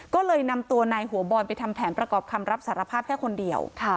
ก็เลยนำตัวนายหัวบอลไปทำแผนประกอบคำรับสารภาพแค่คนเดียว